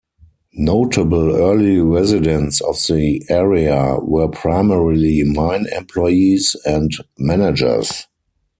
Notable early residents of the area were primarily mine employees and managers.